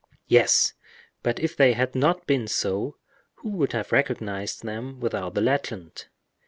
"Yes; but if they had not been so, who would have recognized them without the legend?